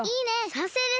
さんせいです！